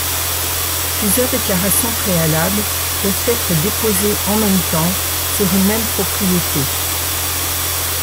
Plusieurs déclarations préalables peuvent être déposées en même temps sur une même propriété.